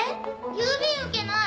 郵便受けない。